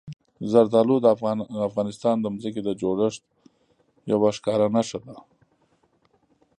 زردالو د افغانستان د ځمکې د جوړښت یوه ښکاره نښه ده.